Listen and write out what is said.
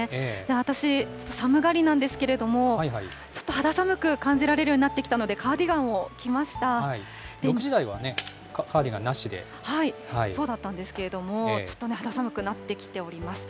私、ちょっと寒がりなんですけれども、ちょっと肌寒く感じられるようになってきたので、カーディ６時台はね、カーディガンなそうだったんですけれども、ちょっとね、肌寒くなってきております。